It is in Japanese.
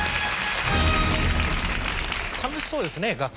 楽しそうですね学生が。